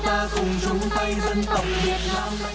vui nhộn vui nhộn vui nhộn vui nhộn vui nhộn